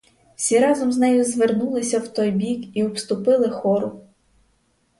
Всі разом з нею звернулися в той бік і обступили хору.